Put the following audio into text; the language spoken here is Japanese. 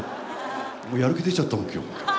もうやる気出ちゃったもん今日。